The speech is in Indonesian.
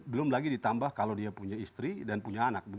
belum lagi ditambah kalau dia punya istri dan punya anak